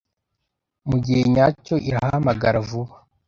mugihe nyacyo irahamagara vuba